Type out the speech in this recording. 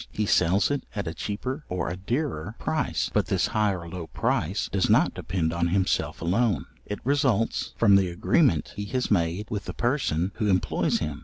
He sells it at a cheaper or a dearer price; but this high or low price does not depend on himself alone; it results from the agreement he has made with the person who employs him.